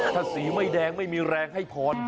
ถ้าสีไม่แดงไม่มีแรงให้พร